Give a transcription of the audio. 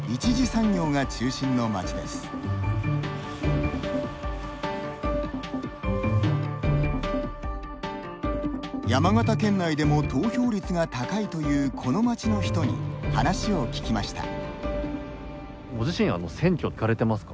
山形県内でも投票率が高いというこの町の人に話を聞きました。